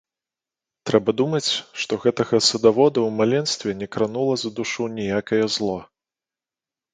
Трэба думаць, што гэтага садавода ў маленстве не кранула за душу ніякае зло.